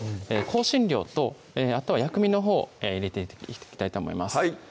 香辛料とあとは薬味のほう入れていきたいと思います